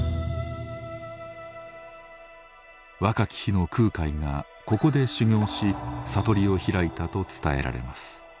若き日の空海がここで修行し悟りを開いたと伝えられます。